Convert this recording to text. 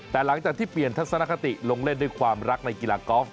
แต่หลังจากที่เปลี่ยนทัศนคติลงเล่นด้วยความรักในกีฬากอล์ฟ